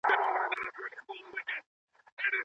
داسې تکرار چې د نقاش د حافظې په تابلو